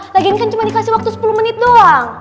lagian kan cuma dikasih waktu sepuluh menit doang